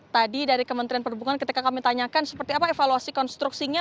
tadi dari kementerian perhubungan ketika kami tanyakan seperti apa evaluasi konstruksinya